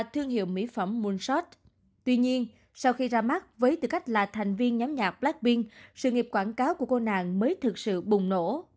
tuy nhiên sau khi ra mắt với tư cách là thành viên nhóm nhạc blackpink sự nghiệp quảng cáo của cô nàng mới thực sự bùng nổ